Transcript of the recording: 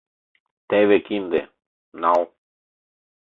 — Теве кинде, нал...